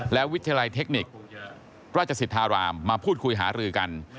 และวิทยาลัยเทคนิคราชสิทธารามมาพูดคุยหารือกัน